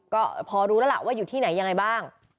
ก็พอรู้แล้วล่ะว่าอยู่ที่ไหนยังไงบ้าง